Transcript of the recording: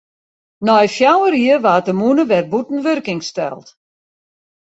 Nei fjouwer jier waard de mûne wer bûten wurking steld.